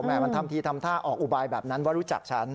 มันทำทีทำท่าออกอุบายแบบนั้นว่ารู้จักฉัน